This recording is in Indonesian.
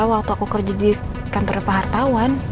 waktu aku kerjakan terdekat hartawan